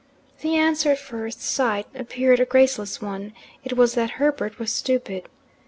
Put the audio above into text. The answer at first sight appeared a graceless one it was that Herbert was stupid.